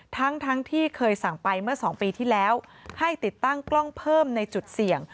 ทั้งทั้งที่เคยสั่งไปเมื่อ๒ปีที่แล้วให้ติดตั้งกล้องเพิ่มในจุดเสี่ยง